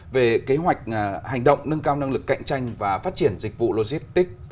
về kế hoạch hành động nâng cao năng lực cạnh tranh và phát triển dịch vụ logistics